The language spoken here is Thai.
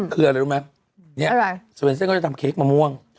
คืออะไรรู้ไหมอะไรโซเวนเซ่นก็จะทำเค้กมะม่วง